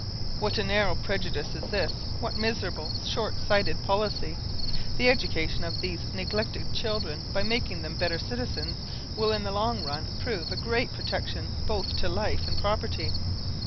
What a narrow prejudice is this what miserable, short sighted policy! The education of these neglected children, by making them better citizens, will in the long run prove a great protection both to life and property.